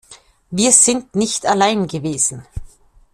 Wir sind nicht allein gewesen.